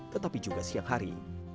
tetapi juga siang hari